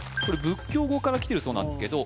仏教語からきてるそうなんですけど